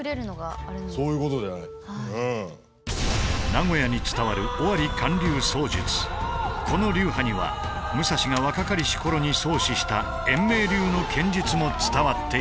名古屋に伝わるこの流派には武蔵が若かりし頃に創始した円明流の剣術も伝わっている。